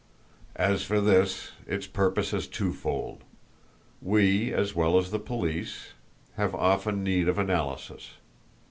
"As for this, its purpose is twofold. We, as well, as the police, have often need of analysis.